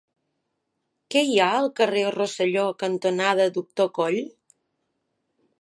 Què hi ha al carrer Rosselló cantonada Doctor Coll?